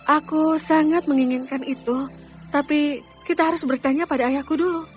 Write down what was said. aku sangat menginginkan itu tapi kita harus bertanya pada ayahku dulu